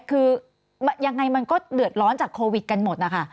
คือยังไงมันก็เดือดร้อนจากโควิดกันหมดนะคะ